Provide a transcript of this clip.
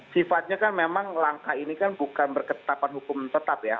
sifatnya kan memang langkah ini kan bukan berketetapan hukum tetap ya